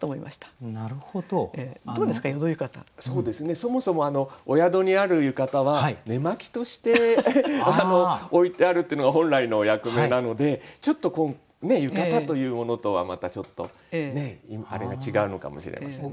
そもそもお宿にある浴衣は寝巻きとして置いてあるというのが本来の役目なのでちょっと浴衣というものとはまたちょっとあれが違うのかもしれませんね。